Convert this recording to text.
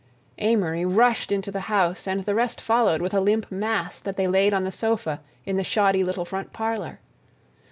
Amory rushed into the house and the rest followed with a limp mass that they laid on the sofa in the shoddy little front parlor.